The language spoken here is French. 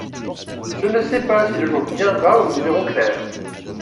Je ne sais pas si le jour viendra où nous verrons clair ?